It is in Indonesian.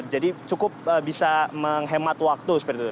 jadi cukup bisa menghemat waktu seperti itu